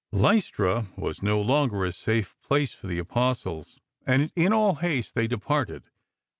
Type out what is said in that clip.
Lystra was no longer a safe place for the Apostles, and in all haste they departed.